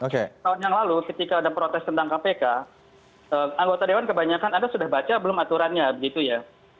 tahun yang lalu ketika ada protes tentang kpk anggota dewan kebanyakan anda sudah baca belum aturannya begitu ya